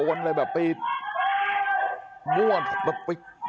นี่คือในปราวุฒินะครับเอออโยยวายพูดออกมาบอกนี่ถ้าใครร่องแก้เด็กนี่จะตายแน่